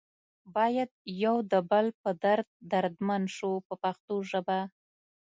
باید یو د بل په درد دردمند شو په پښتو ژبه.